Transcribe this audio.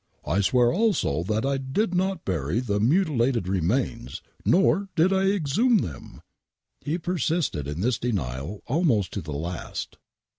" I swear also that I did not bury the mutilated remains, nor did I exhume them." He persisted in this denial almost to the last.